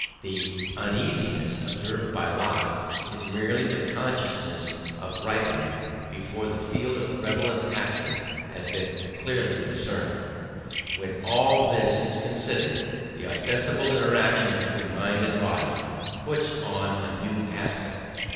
The uneasiness observed by Locke is merely the consciousness of this ripening, before the field of relevant action has been clearly discerned. When all this is considered, the ostensible interaction between mind and body puts on a new aspect.